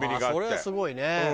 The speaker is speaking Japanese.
それはすごいね。